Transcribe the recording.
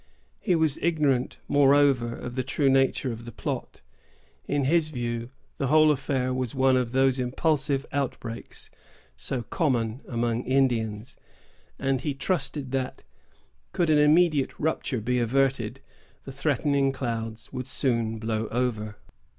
He was ignorant, moreover, of the true nature of the plot. In his view, the whole affair was one of those impulsive outbreaks so common among Indians; and he trusted that, could an immediate rupture be averted, the threatening clouds would soon blow over.